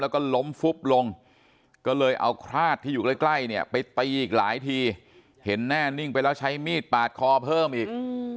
แล้วก็ล้มฟุบลงก็เลยเอาคราดที่อยู่ใกล้เนี่ยไปตีอีกหลายทีเห็นแน่นิ่งไปแล้วใช้มีดปาดคอเพิ่มอีก